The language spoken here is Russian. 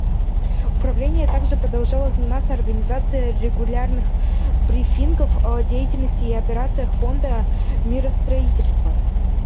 Управление также продолжало заниматься организацией регулярных брифингов о деятельности и операциях Фонда миростроительства.